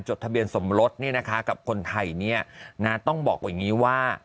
จดทะเบียนสมรสนี่นะคะกับคนไทยเนี่ยนะต้องบอกว่าอย่างนี้ว่า